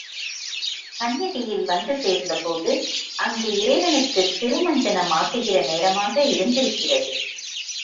சந்நிதியில் வந்து சேர்ந்தபோது அங்கு இறைவனுக்குத் திருமஞ்சனம் ஆட்டுகிற நேரமாக இருந்திருக்கிறது.